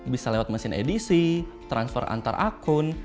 bisa lewat mesin edisi transfer antar akun